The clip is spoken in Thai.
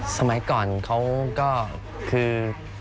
สมัยก่อนเขาก็คือ